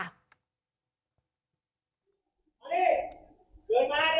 เอาย